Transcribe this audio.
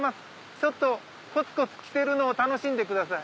ちょっとコツコツ来てるのを楽しんでください。